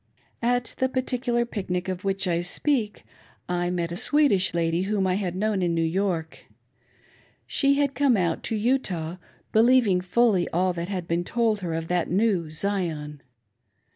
At the particular pic nic of which I speak, I met a Swedish lady whom I had known in New York. She had come out to Utah, believing fully all that had been told her of that new Zion.